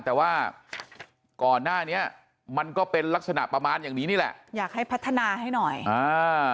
แต่ว่าก่อนหน้านี้มันก็เป็นลักษณะประมาณอย่างนี้นี่แหละอยากให้พัฒนาให้หน่อยอ่า